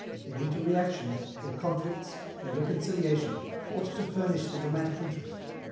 Their interreactions, their conflicts, their reconciliation, ought to furnish the dramatic interest.